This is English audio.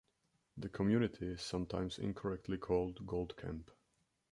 The community is sometimes incorrectly called Gold Camp.